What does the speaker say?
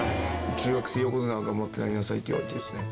中学生横綱に頑張ってなりなさいって言われてるんですね。